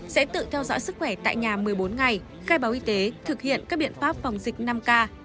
sẽ tự theo dõi sức khỏe tại nhà một mươi bốn ngày khai báo y tế thực hiện các biện pháp phòng dịch năm k